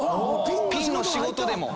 ピンの仕事でも。